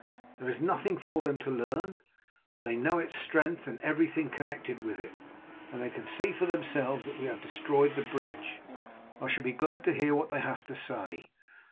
There is nothing for them to learn. They know its strength and everything connected with it, and they can see for themselves that we have destroyed the bridge. I shall be glad to hear what they have to say.